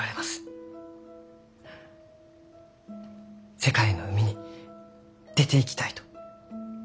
世界の海に出ていきたいと。